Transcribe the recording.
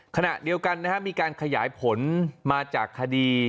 ขณะเดียวกันมีการขยายผลมาจากคดี